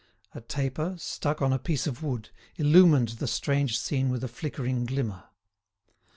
A taper, stuck on a piece of wood, illumined the strange scene with a flickering glimmer.